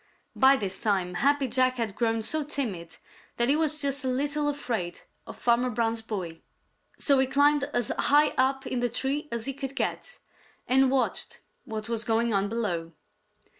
By this time Happy Jack had grown so timid that he was just a little afraid of Farmer Brown's boy, so he climbed as high up in the tree as he could get and watched what was going on below.